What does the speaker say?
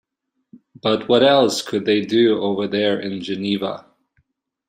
But what else could they do over there in Geneva?